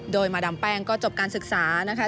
โดยมาดามแป้งก็จบการศึกษานะคะ